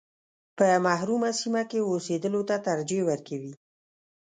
په محرومه سیمه کې اوسېدلو ته ترجیح ورکوي.